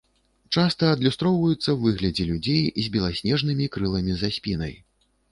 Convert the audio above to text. Часта адлюстроўваюцца ў выглядзе людзей з беласнежнымі крыламі за спінай.